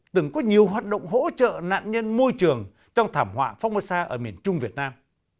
từng có nhiều hoạt động hỗ trợ nạn nhân môi trường trong thảm họa phong mơ xa ở miền trung việt nam